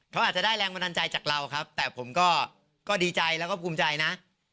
เขาอาจจะได้แรงบันดาลใจจากเราครับแต่ผมก็ดีใจแล้วก็ภูมิใจนะ